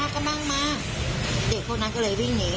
ก็คือ